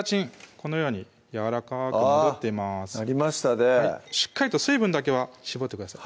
このようにやわらかく戻っていますなりましたねしっかりと水分だけは絞ってください